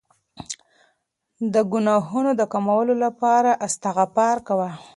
د ګناهونو د کمولو لپاره استغفار کوه.